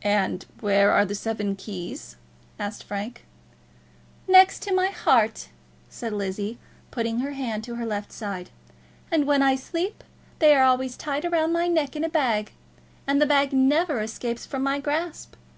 "And where are the seven keys?" asked Frank. "Next to my heart," said Lizzie, putting her hand on her left side. "And when I sleep they are always tied round my neck in a bag, and the bag never escapes from my grasp.